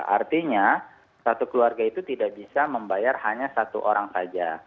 artinya satu keluarga itu tidak bisa membayar hanya satu orang saja